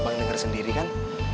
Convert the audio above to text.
abang denger sendiri kan